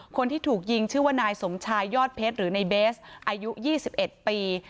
คนที่ถูกยิงชื่อว่านายสมชายยอดเพชรหรือในเบสอายุ๒๑ปี